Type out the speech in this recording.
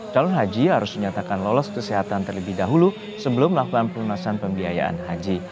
calon haji harus dinyatakan lolos kesehatan terlebih dahulu sebelum melakukan pelunasan pembiayaan haji